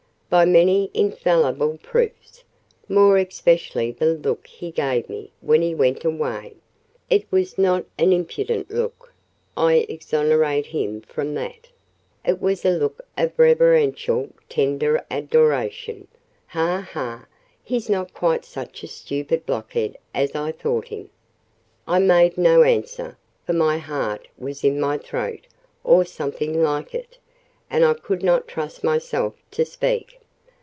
"By many infallible proofs: more especially the look he gave me when he went away. It was not an impudent look—I exonerate him from that—it was a look of reverential, tender adoration. Ha, ha! he's not quite such a stupid blockhead as I thought him!" I made no answer, for my heart was in my throat, or something like it, and I could not trust myself to speak.